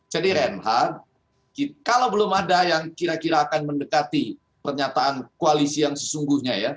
jadi ren kalau belum ada yang kira kira akan mendekati pernyataan koalisi yang sesungguhnya